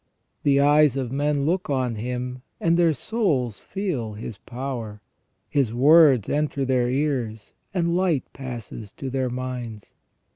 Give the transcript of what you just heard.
The eyes of men look on Him, and their souls feel His power. His words enter their ears, and light passes to their minds.